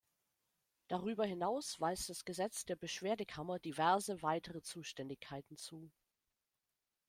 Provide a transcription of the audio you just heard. Darüber hinaus weist das Gesetz der Beschwerdekammer diverse weitere Zuständigkeiten zu.